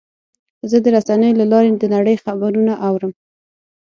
زه د رسنیو له لارې د نړۍ خبرونه اورم.